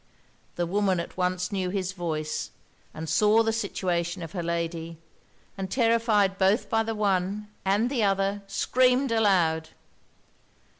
The woman at once knew his voice, and saw the situation of her lady; and terrified both by the one and the other, screamed aloud.